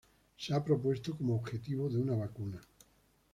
Se ha propuesto como objetivo de una vacuna.